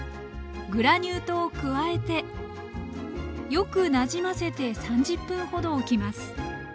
グラニュー糖を加えてよくなじませて３０分ほどおきます